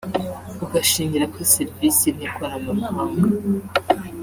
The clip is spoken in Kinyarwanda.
bugashingira kuri serivisi n’ikoranabuhanga